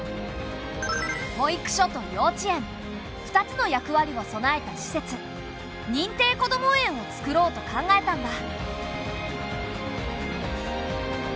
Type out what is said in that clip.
保育所と幼稚園２つの役割を備えた施設認定こども園を作ろうと考えたんだ。